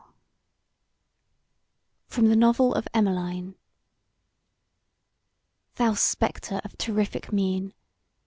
FROM THE NOVEL OF EMMELINE. THOU spectre of terrific mien!